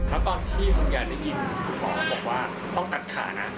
แล้วตอนที่คุณยายได้ยินคุณหมอก็บอกว่าต้องตัดขานะ